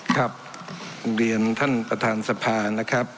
ครับเรียนท่านประธานสภานะครับ